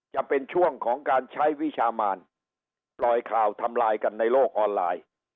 จะเป็นช่วงของการใช้วิชามานปล่อยข่าวทำลายกันในโลกออนไลน์